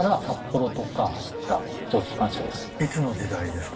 いつの時代ですか？